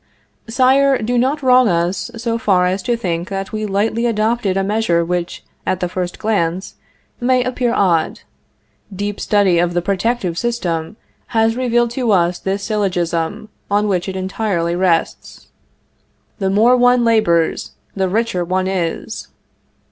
Sire, do not wrong us so far as to think that we lightly adopted a measure which, at the first glance, may appear odd. Deep study of the protective system has revealed to us this syllogism, on which it entirely rests: The more one labors, the richer one is.